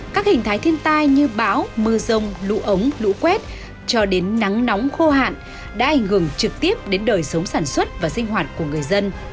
các hình thái thiên tai như bão mưa rông lũ ống lũ quét cho đến nắng nóng khô hạn đã ảnh hưởng trực tiếp đến đời sống sản xuất và sinh hoạt của người dân